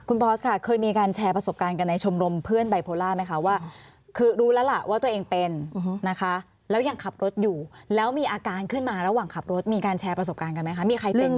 คุณบอสค่ะเคยมีการแชร์ประสบการณ์กันในชมรมเพื่อนไบโพล่าไหมคะว่าคือรู้แล้วล่ะว่าตัวเองเป็นนะคะแล้วยังขับรถอยู่แล้วมีอาการขึ้นมาระหว่างขับรถมีการแชร์ประสบการณ์กันไหมคะมีใครเป็น